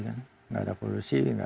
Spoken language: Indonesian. gak ada polusi